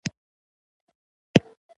• بښل د سولي نښه ده.